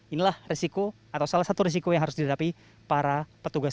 inilah resiko atau salah satu risiko yang harus dihadapi para petugas